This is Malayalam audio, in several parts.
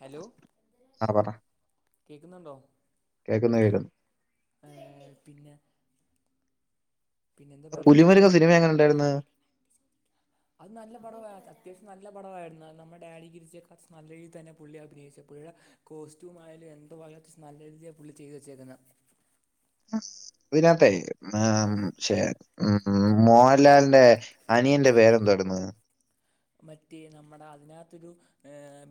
ഹലോ ആ പറ കേക്കുന്നുണ്ടോ കേൾക്കുന്നു കേൾക്കുന്നു ആ പിന്നെ പിന്നെന്താ പരിപാടി എന്തുവാ പുലിമുരുകൻ സിനിമ എങ്ങനെയുണ്ടായിരുന്നു അത് നല്ല പടരുന്നു അത്യാവശ്യം നല്ല പടമായിരുന്നു നമ്മുടെ ഡാഡി ഗിരിജ നല്ല രീതിയിൽ തന്നെ പുള്ളി അഭിനയിച്ചിട്ടുണ്ട് കോസ്റ്റ്യൂം ആയാലും എന്തോവായാലും നല്ല രീതിയിാണ് പുള്ളി ചെയ്തു വെച്ചേക്കുന്നത് നത്തെ ആ ആഹ് ശ ഉ മോഹൻലാലിന്റെ അനിയന്റെ പേരെന്തായിരുന്നു മറ്റേ നമ്മുടെ അതിനകത്തൊരു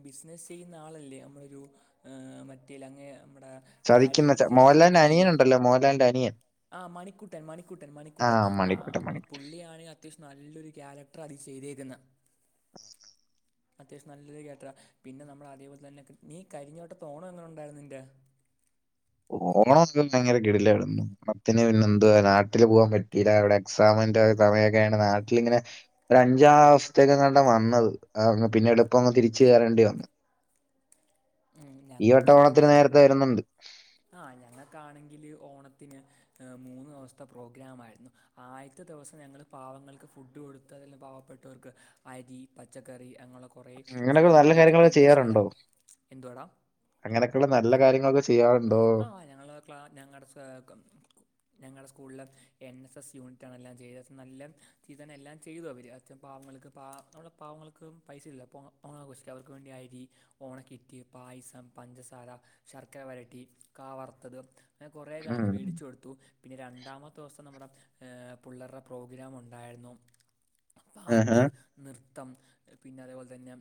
ബിസിനസ്സ് ചെയ്യുന്ന ആളല്ലേ നമ്മളൊരു മറ്റേ ലങ്ങേ ചതിക്കുന്ന മോഹൻലാലിന്റെ അനിയൻ ഉണ്ടല്ലോ മോഹൻലാലിന്റെ അനിയൻ ആ മണിക്കുട്ടൻ മണിക്കുട്ടൻ ആ മണിക്കുട്ടൻ മണിക്കൂട്ടൻ മണിക്കൂട്ടൻ പുള്ളിയാണെങ്കിൽ അത്യാവശ്യം നല്ലൊരു ക്യാരക്ടർ ചെയ്തേക്കുന്ന ഉം അത്യാവശ്യം നല്ലത് കേട്ട പിന്നെ നമ്മള അതേപോലെ തന്നെ നീ കരിഞ്ഞോട്ട തോണം എങ്ങനെ ഉണ്ടായിരുന്നു നിന്റെ ഓണമൊക്കെ ഭയങ്കര കിടില്ലായിടുന്നു ഓണത്തിന് പിന്നെ എന്തുവാ നാട്ടില് പോകാൻ പറ്റില്ലവിടെ എക്സാ സമയൊക്കെയാണ് നാട്ടിലിങ്ങനെ ഒരു അഞ്ചാവസ്ഥത്തയൊക്കെ കണ്ട വന്നത് പിന്നെട്പ്പം തിരിച്ച കയറേണ്ടി വന്നു ഈവട്ട ഓണത്തിന് നേരത്തെ വരുന്നുണ്ട് ആഹ ഞങ്ങൾക്കാണെങ്കില് ഓണത്തിന് മൂന്ന് ദിവസത്തെ പ്രോഗ്രാ മായിരുന്നു ആയിരുന്നു ആദ്യത്തെ ഓണത്തിന് മൂന്നു അവസ്ഥ പ്രോഗ്രാമായിരുന്നു ആയത്ത് ദിവസം ഞങ്ങൾ പാവങ്ങൾക്ക് ഫുഡ് കൊടുത്ത പാവപ്പെട്ടവർക്ക് അരി പച്ചക്കറി ഞങ്ങളൊക്കെ അങ്ങനെയൊക്കെ നല്ല കാര്യങ്ങളൊക്കെ ചെയ്യാറുണ്ടോ എന്തുവാടാ അങ്ങനെയൊക്കെയുള്ള നല്ല കാര്യങ്ങളൊക്കെ ചെയ്യാറുണ്ടോ ആ് ഞങ്ങള് ക്ലാ ഞങ്ങളുടെ ഞങ്ങളുടെ സ്കൂളിലെ എൻ എസ് എസ് യൂണിറ്റ ആണ എല്ലാം ചെയ്ത് നല്ല തീ തന്നെ എല്ലാം ചെയ്തു അവര് അച് പാവങ്ങൾക്ക് പാവ നമ്മ പാവ അവൾക്ക് പൈസ ഇല്ല ഇപ്പോൾ ഓണ ആഘോഷില്ല അവർക്ക് വേണ്ടി അരി ഓണക്കിറ്റ്പായസം പഞ്ചസാര ശർക്കര വരട്ടി കാവറുത്തത് അങ്ങനെ കുറെേ കാലം ഉം മേടിച്ചു കൊടുത്തു പിന്നെ രണ്ടാമത്തെ ദിവസം നമ്മുടെ പിള്ളേരുടെ പ്രോഗ്രാം ഉണ്ടായിരുന്നു ആഹാ. പാട്ട് നി മത്തം പിന്നെ അതുേപോലെ തന്നെ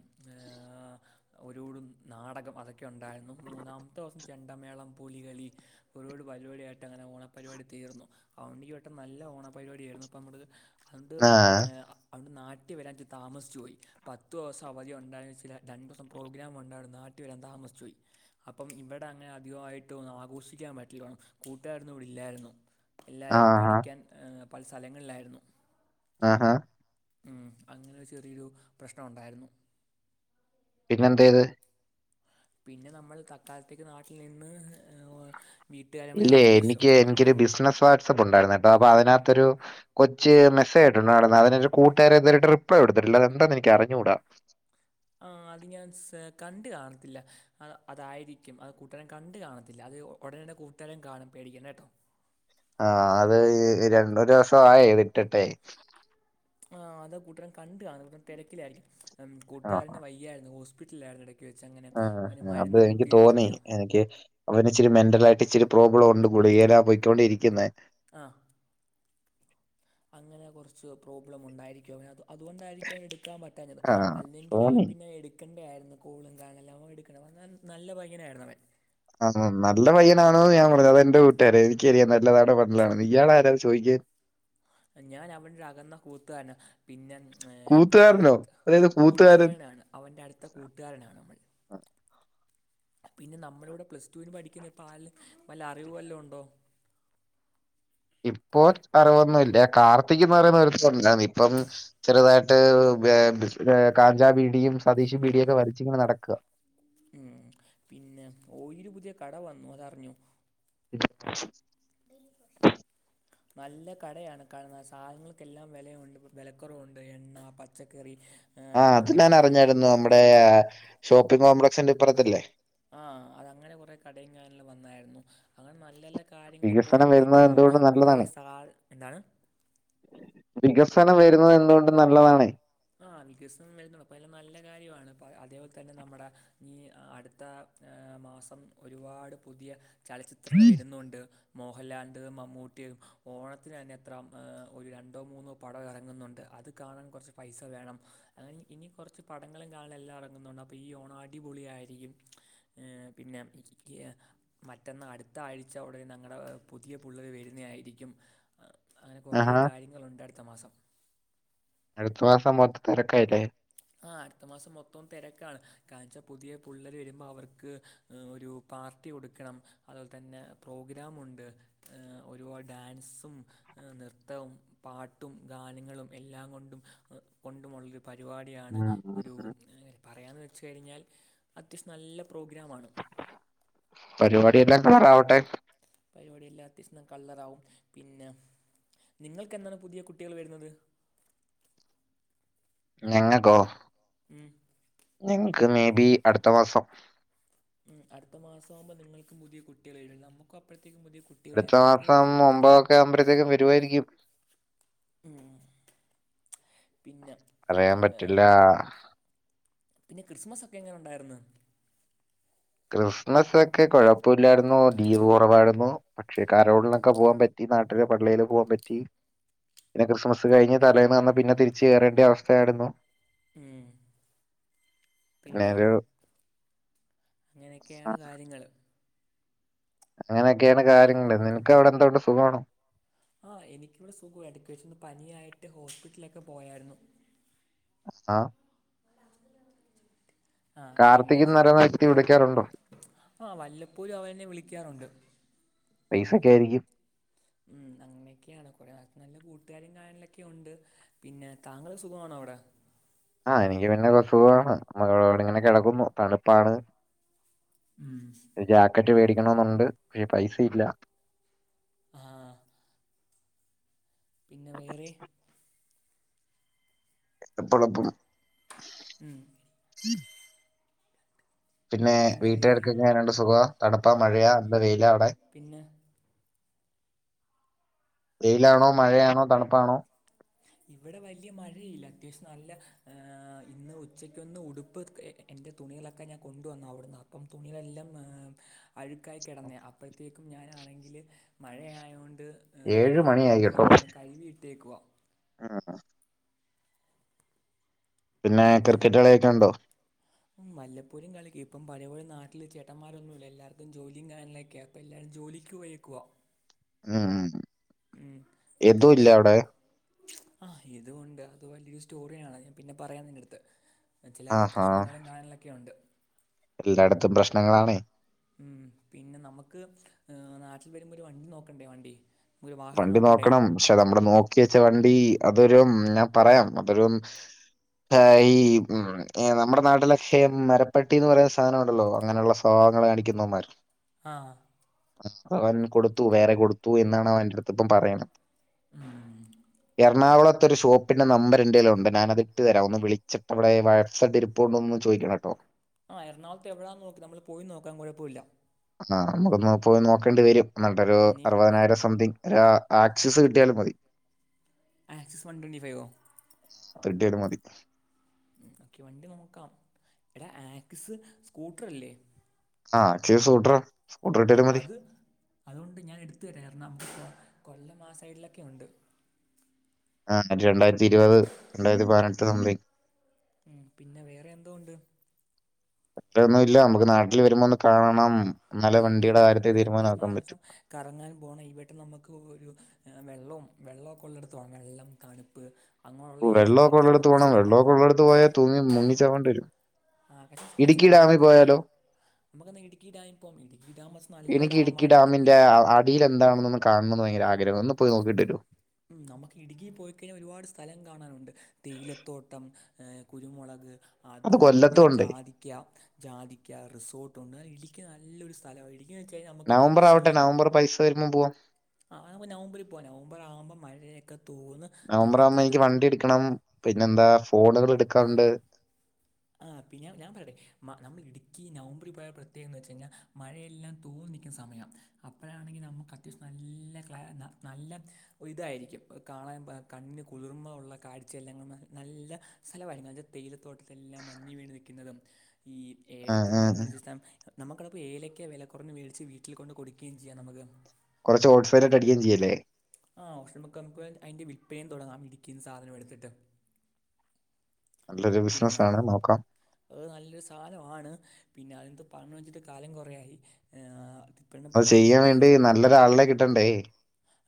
ഒരുോടും നാടകം അതൊക്കെ ഉണ്ടായിരുന്നു മൂന്നാമത്തെ ദിവസം ചെണ്ടമേളം പുലികളി ഒരുപാട് പരിപാടിയായിട്ട് അങ്ങനെ ഓണപരിപാടി തീർന്ന അവണ്ടങ്കിൽ വട്ടം നല്ല ഓണപരിപാടിയായിട്ടരുന്നു ആ. ന അ ന നാട്ടി വരാൻ താമസിച്ചു പോയി പത്ത് ദിവസം അവധി ഉണ്ടായി ചില രണ്ട് ദിവസം പ്രോഗ്രാംമ ഉണ്ടായിും നാട്ടിൽ വരാൻ യി അപ്പം ഇവിടെ അങ്ങനെ അധികമായിട്ട് ന്നും ആഘോഷിക്കാൻ പറ്റില്ലണം കൂട്ടുകാരന്നും ഇവിടെല്ലായിരുന്നു എല്ലാവരും ആഹാ. പഠിക്കാൻ പല സ്ഥലങ്ങളിലായിരുന്നു ആഹ് ഹഹ അങ്ങനെ ചെറിയൊരു പ്രശ്നമ ഉണ്ടായിരുന്നു പിന്നെ എന്ത്ത് പിന്നെ നമ്മൾ തക്കാലത്തേക്ക് നാട്ടിൽ നിന്ന് വീട്ടുകാരുമായി ഇല്ലേ ആഘോഷിച്ചു എനിക്ക് എനിക്കൊരു ബിസിനസ് വാട്സആപ്പ് ഉണ്ടായിരുന്ന അതിനകത്ത് ഒരു കൊച്ച് മെസ്സേജ് ഇട്ടിട്ടുണ്ടായിരുന്നു അവര് കൂട്ടാൻ ഇതുവരെയായിട്ടും റിപ്ലൈ കൊടുത്തിട്ടില്ല അറിഞ്ഞൂട ആ അത് ഞാൻ. കണ്ടു കാണത്തില്ല അതായിരിക്കും അത് കൂട്ടാരൻ കണ്ട കാണത്തില്ല ഉടനെത്തന്നെ കൂട്ടുകാരൻ കാണും പേടിക്കണ്ട ട്ടോ ആഹ അത് രണ്ടൂ ദിവസ ആയി വിട്ടട്ടെ ആ അത് കൂട്ടുകാരൻ കണ്ടു കാണത്തില്ല തിരക്കിലായിരിക്കും ആഹാ. കൂട്ടുകാരന് വയ്യായിരുന്നു ഹോസ്പിറ്റലിലായിരുന്നു ഇടയ്ക്ക് വെച്ച് അങ്ങനെ ആ അവന് അപ്പ മരുന്ന് എനിക്ക് തോന്നി കുത്തിയിട്ടിരുന്നയാ എനിക്ക് അവന് ഇച്ചിരി മെന്റല ആയിട്ട് ഇച്ചിരി പ്രോബ്ലം ഉണ്ട് ഗുളികയിൽ പോയിക്കൊണ്ടിരിക്കുന്നത് ആഹ് അങ്ങനെ കുറച്ച് പ്രോബ്ലം ഉണ്ടായിരിക്കും അത് അതുകൊണ്ടായിരിക്കും അവൻ എടുക്കാൻ പറ്റാഞ്ഞത് ആ. അല്ലെങ്കിൽ അവൻ തോന്നി. പിന്നെ എടുക്ക എടുക്കണ്ട ആയിരുന്നു കോളും കാ എല്ലാം അവ എടുക്ക നല്ല പയ്യനായിരുന്നു അവൻ ആ നല്ല പയ്യനാണോന്ന് ഞാൻ പറഞ്ഞത് അതെന്റെ കൂട്ടുകാരെ എനിക്കറിയാം നല്ലതാണോ പന്നലാണോന്ന് ഇയാള് ആരാ അത് ചോദിക്കാൻ എ ഞാൻ അവന്റെ അകന്ന കൂട്ടുകാരനാ പിന്നെ ഏർ പിന്നെ കൂത്തുകാരനോ? അടുത്ത അതായത് കൂത്തുകാരൻ. കൂട്ടുകാരനാണ് അവന്റെ അടുത്ത കൂട്ടുകാരനാണ് അവൻ. പിന്നെ നമ്മുടെ ഇവിടെ പ്ലസ്ടുവിന് പഠിക്കുന്ന ഇപ്പോ ആരേലും വല്ല അറിവുവല്ലാം ഉണ്ടോ? ഇപ്പോ അറിവൊന്നില്ല കാർത്തിക് എന്ന് പറയുന്ന ഒരുത്തൻ ഉണ്ടായിരുന്നു ഇപ്പം ചെറുതായിട്ട് കാഞ്ചാപീടിയും സതീഷ്പീടിയൊക്കെ വരച്ചിങ്ങനെ നടക്കുക ഉം പിന്നെ ഓയൂര് പുതിയ കട വന്നു അതറിഞ്ഞോ? ഇറിറ്റേഷൻസ് വേലു പോയാ നല്ല കടയാണ് കാണുന്നത് സാധനങ്ങൾക്കെല്ലാം വിലയുണ്ട് വിലക്കുറവുണ്ട് എണ്ണ പച്ചക്കറി ആ, അങ്ങനെ ആഹ് അത് കുറേ ഞാനു സാധനം എല്ലാം അറിഞ്ഞായിരുന്നു നമ്മുടെ വിലക്കുറവുണ്ട് ഷോപ്പിംഗ് കോംപ്ലക്സിന്റെ ഇപ്പുറത്തല്ലേ? ആഹ് അത് അങ്ങനെ കുറെ കടയും കാര്യങ്ങളും വന്നായിരുന്നു. അങ്ങനെ നല്ല നല്ല കാര്യങ്ങൾ ഇപ്പോൾ വികസനം അപ്ഡേറ്റ് വരുന്നത് ആ എന്തുകൊണ്ടും കുറേ നല്ലതാണ് സാൽ എന്താണ്? വികസനം വരുന്നത് എന്തുകൊണ്ടും നല്ലതാണേ ആ വികസനം വരുന്നത് അപ്പൊ എല്ലാം നല്ല കാര്യമാണ് അതേപോലെ തന്നെ നമ്മുടെ ഈ അടുത്ത ഏ മാസം ഒരുപാട് പുതിയ ചലച്ചിത്രങ്ങൾ വരുന്നുണ്ട് മോഹൻലാൻ്റെയും മമ്മൂട്ടിയും ഓണത്തിന് തന്നെ എത്ര ഒരു രണ്ടോ മൂന്നോ പടം ഇറങ്ങുന്നുണ്ട് അത് കാണാൻ കുറച്ച് പൈസ വേണം അങ്ങനെ ഇനി കുറച്ച് പടങ്ങളും കാണാനും എല്ലാം ഇറങ്ങുന്നുണ്ട് അപ്പോം ഈ ഓണം അടിപൊളിയായിരിക്കും. പിന്ന മിക്കിയ മറ്റന്ന അടുത്ത ആഴ്ച്ചേടെ ഞങ്ങളുടെ പുതിയ പുള്ളേര് വരുന്നയായിരിക്കും അങ്ങനെ കുറെ ആഹാ കാര്യങ്ങള് ഉണ്ട് അടുത്ത മാസം ത്രാസം മൊത്ത തിരക്കായില്ലേ ആ അടുത്ത മാസം മൊത്തം തിരക്കാണ് കാരണവെച്ചാ പുതിയ പുള്ളേര് വരുമ്പോ അവർക്ക് ഒരു പാർ കത്തി കൊടുക്കണം അതുപോലെ തന്നെ പ്രോഗ്രാമുണ്ട് ഒരുപാട് ഡാൻസും നൃത്തവും പാട്ടും ഗാനങ്ങളും എല്ലാം കൊണ്ടും കൊണ്ടുമുള്ളരു പരിപാ [unintelligible] ഉം ഒരു പറയന്ന് വെച്ച്കയിഞ്ഞാൽ അത്യാവശ്യം നല്ല [unintelligible] പ്രോഗ്രാമാണ് എല്ലാം കളറാവട്ടെ പരിപാടി എല്ലാത്തിഷണം കളറാവും പിന്ന നിങ്ങൾക്കെന്നാണ് പുതിയ കുട്ടികൾ വരുന്നത് ഞങ്ങൾക്കോ ഉം. ഞങ്ങക്ക് മേബി അടുത്ത മാസം ഉം അടുത്ത മാസമാവുമ്പോൾ നിങ്ങൾക്കും പുതിയ കുട്ടികളഴൂ നമുക്ക് അപ്പഴത്തെ അടുത്ത മാസം ഒമ്പതൊക്കെ ആവുമ്പോഴത്തേക്കും വരുവായിരിക്കും ഉം പിന്നെ അറിയാൻ ഏ, പറ്റില്ല പിന്നെ ക്രിസ്മസ് ഒക്കെ എങ്ങനെ ഉണ്ടായിരുന്നു ക്രിസ്മസ് ഒക്കെ കുഴപ്പില്ലായിരുന്നു ലീവ് കുറവായിരുന്നു പക്ഷെ കരോളിനൊക്കെ പോവാൻ പറ്റി നാട്ടിലെ പള്ളിയില് പോകാൻ പറ്റി പിന്നെ ക്രിസ്മസ് കഴിഞ്ഞ് തലേന്ന് വന്ന പിന്നെ തിരിച്ച് കയറേണ്ട അവസ്ഥയായിരുന്നു ഉം പിന്നെ ആ, അങ്ങനൊക്കെയാണ് കാര്യങ്ങള് അങ്ങനെയൊക്കെയാണ് കാര്യങ്ങള് നിനക്ക് അവിടെ എന്തോണ്ട് സുഖമാണോ ആഹ് എനിക്കിവിടെ സുഖം എടക്ക് വച്ചന്ന് പനിയായിട്ട് ഹോസ്പിറ്റലൊക്കെ പോയായിരുന്നു ആഹ് ആ പിന്നെ കാർത്തികന്നര നത്തി ഇവിടക്ക ആ വല്ലപ്പോലും അവൻ എന്നെ വിളിക്കാറുണ്ട് പൈസക്ക ആയിരിക്കും ഉം അങ്ങനൊക്കെയാണ് കുറെ നല്ല കൂട്ടുകാരും കാര്യങ്ങളും ഒക്കെ ഉണ്ട് പിന്നെ താങ്കൾ സുഖമാണോ അവിടെ ആഹ് എനിക്ക് പിന്നെ ഇവിടെ സുഖമാണ് മകളോട് ഇങ്ങനെ കിടക്കുന്നു തണുപ്പാണ് ഉം. ഒരു ജാക്കറ്റ് വേടിക്കണെന്നുണ്ട് പക്ഷെ പൈസയില്ല ആഹ പിന്നെ വേറെ എപ്പോഴെപ്പ ഉം, പിന്നെ വീട്ടുകാർക്കൊക്ക എങ്ങനുണ്ട് സുഖവാ തണുപ്പാ മഴയാ എന്താ വെയില അവിടെ പിന്നെ വെയിലാണോ മഴയാണോ തണുപ്പാണോ ഇവിടെ വലിയ മഴയില്ല അത്യാവശ്യം നല്ല ഇന്ന് ഉച്ചക്ക് ഒന്ന് ഉടുപ്പ് തുണികളൊക്കെ ഞാൻ കൊണ്ടുവന്നവിടുന്നു അപ്പ തുണികളെല്ലാം അഴുക്കായി കിടന്ന അപ്പോഴേക്കും ാന ആണെങ്കില് മഴയായതൊണ്ട് ഏഴ് എല്ലാം മണിയായി കൊണ്ട വന്നു ഇവിടെ കഴവിയിട്ടേക്ക്വാ ആഹ പിന്നെ ക്രിക്കറ്റ് കളിയൊക്കെണ്ടോ വല്ലപ്പോഴും കളിക്കും ഇപ്പം പഴയ പോലെ നാട്ടില് ചേട്ടന്മാരൊന്നും ഇല്ല എല്ലാവർക്കും ജോലിയും കാര്യങ്ങളൊക്കെയാ അപ്പ എല്ലാവരും ജോലിക്ക് പോയേക്കുവ ഉം ഉം ഉം പിന്നെ ആഹ് ഇതുകൊണ്ട് അത് വലിയൊരു സ്റ്റോറിയാണ് ഞാൻ പിന്നെ പറയാൻ നിന്റെടുത്ത് ചെല ആഹാ പ്രശ്നങ്ങളും കാര്യങ്ങളൊക്കെയുണ്ട് എല്ലായിടത്തും പ്രശ്നങ്ങളാണെ ഉം പിന്നെ നമുക്ക് നാട്ടില് വരുമ്പോ ഒരു വണ്ടി നോക്കണ്ടേ വണ്ടി ഒരു വാഹനം വണ്ടി നോക്കണ്ടേ നോക്കണം പക്ഷെ നമ്മള് നോക്കിവെച്ചാ വണ്ടി അതൊരു ഞാൻ പറയാം അതൊരു ഇപ്പ ഈ ഉം ഏ നമ്മുടെ നാട്ടിലൊക്കെ മരപ്പട്ടീന്ന് പറയുന്ന സാനൊണ്ടല്ലോ അങ്ങനെയുള്ള സ്വ ഭാവങ്ങള് കാണിക്കുന്നവന്മാര് ആഹ് അവൻ കൊടുത്തു വേറെ കൊടുത്തു എന്നാണ് അവൻ എന്റെ അടുത്ത് ഇപ്പം പറയണെ എറണാകുള ളത്തൊരു ഷോപ്പിന്റെ നമ്പർ എന്റെയ്യിലുണ്ട് ഞാനത് ഇട്ട് തരാം ഒന്ന് വിളിച്ചിട്ട് അവിടെ വാട്സ്ആപ്പ് ഇരിപ്പുണ്ടോന്ന് ചോയിക്കണോട്ടോ ആ എറണാകുളത്ത് എവിടാന്ന് നോക്ക് നമ്മള് പോയി നോക്കാ കൊഴപ്പമില്ല ആ നമുക്കൊന്ന് പോയി നോക്കേണ്ടി വരും എന്നിട്ടൊരു ഉം, നീ അറുപതിനായിരം സംതിങ് ആ ആക്സസ് കിട്ടിയാലും മതി ആക്സസ് വൺ ട്വന്റി ഫൈവോ കിട്ടിയത് മതി ഓക്കെ വണ്ടി നോക്കാം എടാ ആക്സ് സ്കൂട്ടറല്ലേ ആഹ് [unintelligible] സ്കൂട്ടറൊ അത് അതുകൊണ്ട് ഞാൻ എടുത്തു തരാ [inaudible] കൊല്ലം ആ സൈഡിലൊക്കെ ഉണ്ട് ആ രണ്ടായിരത്തി ഇരുപത് രണ്ടായിരത്തി പതിനെട്ട് സംതിങ് ഉം പിന്നെ വേറെ എന്തോണ്ട് അത്രൊന്നും ഇല്ല നമ്മുക്ക് നാട്ടിൽ വരുമ്പോ ഒന്ന് കാണണം എന്നാലേ നാട്ടി വണ്ടിയുടെ വരുമ്പം കാര്യത്തിൽ നാട്ടിൽ തീരുമാനമാക്കാൻ നാലു പറ്റും ദിവസം കറങ്ങാൻ പോണം ഇവിടെ നമുക്ക് ഒരു വെള്ളവും വെള്ളൊക്കെ ഉള്ളെട്ത്തു പോവാ വെള്ളം തണുപ്പ് അങ്ങനെയുള്ള ഏരിയ വെള്ളൊക്കെ മെയിനായിട്ട് ഉള്ളടുത്ത് ഫോക്കസ് പോണം ചെയ്ത് പോകണം വെള്ളൊക്കെ ഉള്ളടുത്ത് പോയാല് തൂങ്ങി മുങ്ങി ചാവേണ്ടി വരും ആ പക്ഷെ പക്ഷെ ഇടുക്കി ഡാമിൽ നമ്മളധികം വെ പോയാലോ നമുക്കെന്നാ ഇടുക്കി ഡായിൽ പോവാം ഇടുക്കി ഡാം പക്ഷെ നല്ല എനിക്ക് ഡാമാണ് ഇടുക്കി ഡാമിന്റെ അ- അടിയിൽ എന്താണെന്നൊന്ന് കാണണമെന്ന് ഭയങ്കര ആഗ്രഹം ഒന്ന് പോയി നോക്കിട്ട് വരുവോ ഉം നമുക്ക് ഇടുക്കി പോയിക്കഴിഞ്ഞാൽ ഒരുപാട് സ്ഥലം കാണാനുണ്ട് തേയിലത്തോട്ടം ഏ കുരുമുളക് അത് പിന്നെ കൊല്ലത്തും ഉണ്ട് ജാതിക്ക ജാതിക്ക റിസോർട്ടുണ്ട് ഇടുക്കി നല്ലൊരു സ്ഥലമാണ് ഇടുക്കിയെന്ന് വെച്ച് കഴിഞ്ഞാൽ നമുക്ക് നവംബർ നല്ലൊരു ആവട്ടെ സീൻ നവംബർ പൈസ വരുമ്പോ പോവാം ആ നവംബറിൽ പോവാ നവംബർ ആവുമ്പോ മഴയൊക്കെ തോർന്ന് നല്ല നവംബറാകുമ്പോ തണു എനിക്ക് വണ്ടി എടുക്കണം. പിന്നെന്താ ഫോണുകള് എടുക്കാണ്ട് ആ പിന്നെ ഞാൻ പറയട്ടെ മ നമ്മള് ഇടുക്കി നവംബറില് പോയാ പ്രത്യേകന്നുവെച്ച് കഴിഞ്ഞാല് മഴയെല്ലാം തോർ ന്ന് നിക്കണ സമയം അപ്പോഴാണെങ്കിൽ നമുക്ക് അത്യാവശ്യം നല്ല ക്ലാ ന്ന നല്ല ഇതായിരിക്കും ഓ കാ പാളയ പോയാ കണ്ണിന് കുളിർമ ഒള്ള കാഴ്ചയല്ലാങ്ങുന്ന നല്ല സ്ഥലമായിരിന്നു അത് തേയിലത്തോട്ട തെല്ലാം മഞ്ഞ് വീണ് നിൽക്കുന്നതും ഈ ഏഹ് ഏലത്തിന് ഏഹ് മരുന്നടിച്ച് [unintelligible] നമുക്കവിടെ പോയി ഏലക്ക വെല കൊറഞ്ഞ് മേടിച്ച് വീട്ടിൽ കൊണ്ട് കൊടുക്കേയും ചെയ്യാം നമ്മക്ക് കൊറച്ച് ഓട്ട്സൈട്ടായിട്ട് അടിക്കേയും ചെയ്യാല്ലേ ആ [unintelligible] അതിന്റെ വിൽപ്പനെ തൊടങ്ങാം ഇടുക്കീന്ന് സാധനം എടുത്തിട്ട് നല്ലൊരു പിന്നെ ബിസിനസ്സാണ് നോക്കാം. അത് നല്ലൊരു സാനമാണ് പിന്നെ അതെന്താ പറയ്ണെ വെച്ചിട്ട് കാലം കൊറയായി ഏ ആ അത് ചെയ്യാൻ വേണ്ടി നല്ലൊരു ആളിനെ കിട്ടണ്ടേ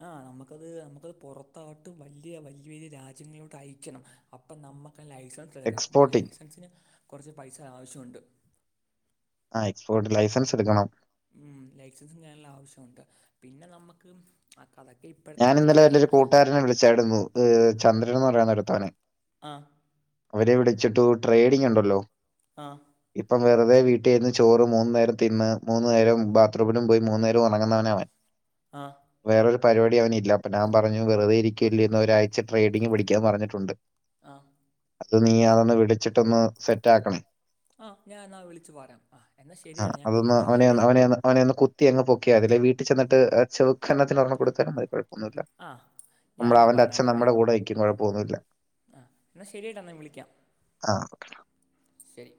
ആ നമ്മക്കത് നമ്മക്കത് പൊറത്താട്ടും വല്ല്യ വല്ല്യ വലിയ രാജ്യങ്ങളിലോട്ട് അയച്ചിടണം അപ്പൊ നമ്മ ഇപ്പ ലൈസൻസ് എടുക്കണം അപ്പം എക്സ്പോർട്ടിംഗ് ലൈസൻസിന് കൊറച്ച് പൈസ ആവശ്യണ്ട് ആ എക്സ്പോർട്ട് ലൈസൻസ് എടുക്കണം ഉം ലൈസൻസും നല്ല ആവശ്യമുണ്ട് പിന്നെ നമ്മുക്ക് ആ കഥ ഞാൻ ഇന്നലെ എന്റെ ഒരു കൂട്ടുകാരനെ വിളിച്ചായിരുന്നു ചന്ദ്രൻ എന്ന് പറയുന്ന ഒരുത്തനെ ആ അവരെ വിളിച്ചിട്ട് ട്രേഡിങ് ഉണ്ടല്ലോ ആ ഇപ്പം വേറെ എന്റെ വീട്ടിന്ന് ചോറ് മൂന്നു നേരം തിന്ന് മൂന്നു നേരം ബാത്റമിലും പോയി മൂന്ന നേരം ഉറങ്ങുന്നവന അവൻ ആ വേറൊരു പരിപാടി അവന് ഇല്ല അപ്പ ഞാൻ പറഞ്ഞു വെറുെ ഇരിക്കല്ല എന്നന്ന് ഒരാഴ്ച ട്രേഡി ങ്ങ് പിടിക്കാന്ന് പറഞ്ഞിട്ടുണ്ട് ആഹ അത് നീ അതൊന്ന് വിളിച്ചിട്ട് ഒന്ന് സെറ്റ് ആക്കണേ ആ് ഞാൻ എന്നാ വിളിച്ചു പറയാം ആ എന്നാ ശരിയടാ ഞാൻ പിന്നെ വിളിക്കാമേ കത്തി അങ് പൊക്കുക അതിെ വീട്ടിൽ ചെന്നിട്ട് ചെവക്കനത്തിന് ഒരെണ്ണം കൊടുത്താലും മതി കുഴപ്പൊന്നുമില്ല ആ ഞാൻ നമ്മള ഇത് അവന്റെ അച്ഛൻ പറഞ്ഞേക്കാമേ നമ്മുടെ കൂടെ വക്കും കുഴപ്പ പോൊന്നില്ല ആ എന്നാൽ ശരിയായിട്ടാ എന്നാ വിളിക്കാം [unintelligible] ശരി